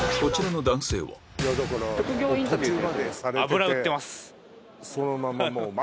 職業インタビューで。